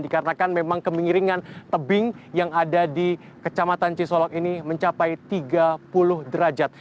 dikarenakan memang kemiringan tebing yang ada di kecamatan cisolok ini mencapai tiga puluh derajat